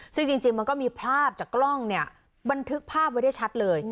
ซึ่งจริงมันก็มีภาพจากกล้องเนี่ยบันทึกภาพไว้ได้ชัดเลย